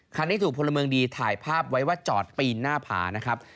ที่ถูกพลเมืองดีถ่ายภาพไว้ว่าจอดปีนหน้าผานะครับ